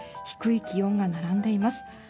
低い気温が並んでいます。